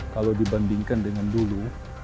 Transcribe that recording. kalau dibandingkan dengan dulu